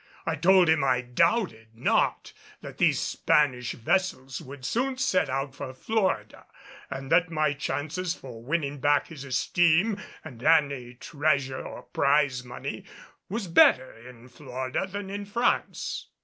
I told him I doubted not that these Spanish vessels would soon set out for Florida, and that my chances for winning back his esteem and any treasure or prize money was better in Florida than in France.